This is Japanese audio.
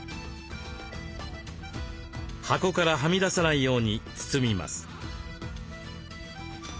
箱からはみ出さないように包みます。